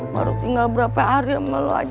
baru tinggal berapa hari ama lu aja